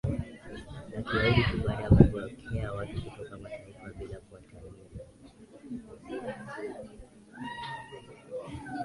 la Kiyahudi tu Baada ya kupokea watu kutoka mataifa bila kuwatahiri